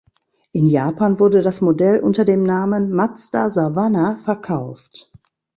In Japan wurde das Modell unter dem Namen Mazda Savanna verkauft.